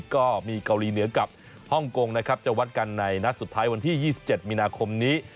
ก็มีเกาหลีเหนือกับฮ่องกงนะครับจะวัดกันในนัดสุดท้ายวันที่๒๗มีนาคมนี้